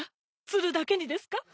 ツルだけにですか？